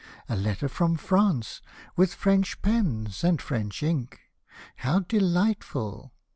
— A letter from France, with French pens and French ink. How delightful